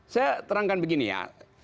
saya terangkan begini ya